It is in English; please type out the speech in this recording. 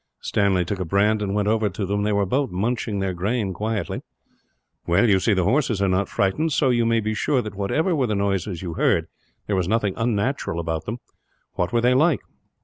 Stanley took a brand and went over to them. They were both munching their grain quietly. "Well, you see the horses are not frightened; so you may be sure that whatever were the noises you heard, there was nothing unnatural about them. What were they like?"